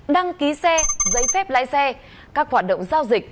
đăng ký xe giấy phép lái xe các hoạt động giao dịch